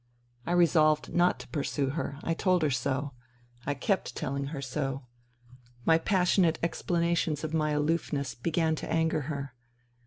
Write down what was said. I resolved not to pursue her. I told her so. I kept telling her so. My passionate explanations of my aloofness began to anger her.